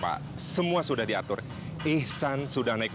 pak iksan pak iksan kenapa